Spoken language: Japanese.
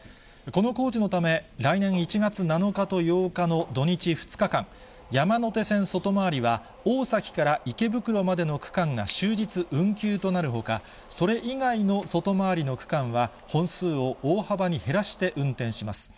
この工事のため、来年１月７日と８日の土日２日間、山手線外回りは、大崎から池袋までの区間が終日運休となるほか、それ以外の外回りの区間は、本数を大幅に減らして運転します。